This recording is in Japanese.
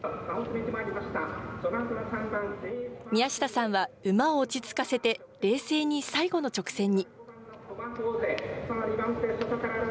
宮下さんは馬を落ち着かせて、冷静に最後の直線に。